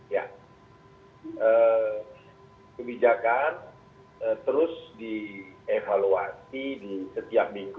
ya kebijakan terus dievaluasi di setiap minggu